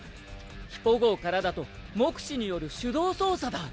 ヒポ号からだと目視による手動操作だ。